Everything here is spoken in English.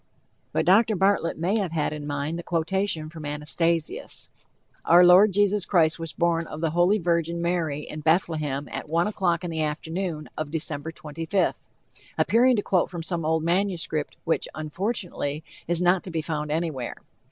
But Dr. Bartlett may have had in mind the quotation from Anastasius: "Our Lord, Jesus Christ, was born of the Holy Virgin, Mary, in Bethlehem, at one o'clock in the afternoon of December 25th," appearing to quote from some old manuscript which, unfortunately, is not to be found anywhere.